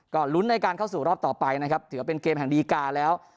ก็ลุ้นในการเข้าสู่รอบต่อไปนะครับถือว่าเป็นเกมแห่งดีกาแล้ว